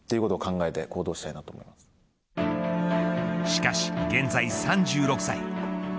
しかし現在３６歳。